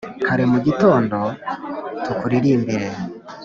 Kare mu gitondo tukuririmbire: